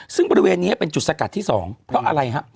ซึ่งบริเวณนี้เป็นจุดสกัดที่๒เพราะอะไรฮะ